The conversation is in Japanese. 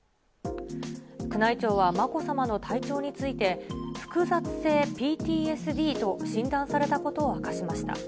宮内庁はまこさまの体調について、複雑性ＰＴＳＤと診断されたことを明かしました。